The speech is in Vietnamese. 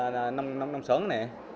năm năm sớm nè